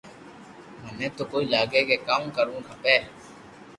مني تو ڪوئي لاگي ڪي ڪاو ڪروُ کپي